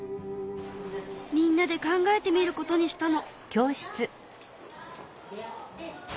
みんなで考えてみることにしたの。